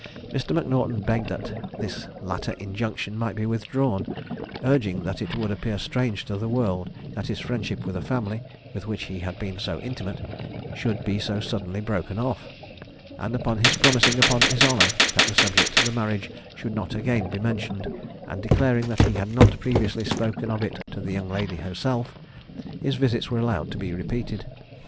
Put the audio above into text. Mr. M'Naughton begged that this latter injunction might be withdrawn, urging that it would appear strange to the world that his friendship with a family, with which he had been so intimate, should be so suddenly broken off; and upon his promising upon his honour, that the subject of the marriage should not be again mentioned, and declaring that he had not previously spoken of it to the young lady herself, his visits were allowed to be repeated.